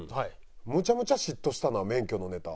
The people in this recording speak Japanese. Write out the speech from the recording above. めちゃめちゃ嫉妬したのは免許のネタ。